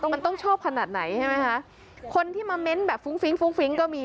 มันต้องชอบขนาดไหนใช่ไหมคะคนที่มาเม้นต์แบบฟุ้งฟิ้งฟุ้งฟิ้งก็มี